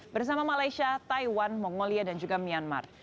bersama malaysia taiwan mongolia dan juga myanmar